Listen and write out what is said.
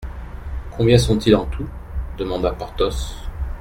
Combien sont-ils en tout ? demanda Porthos.